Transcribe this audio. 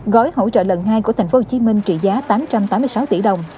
gói hỗ trợ lần hai của tp hcm trị giá tám trăm tám mươi sáu tỷ đồng